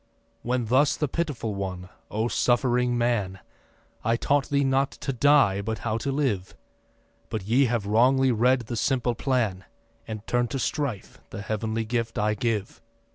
When thus the Pitiful One: 'O suffering man, I taught thee not to die, but how to live; But ye have wrongly read the simple plan, And turn to strife the Heav'nly gift I give.